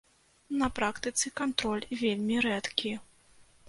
На практыцы кантроль вельмі рэдкі.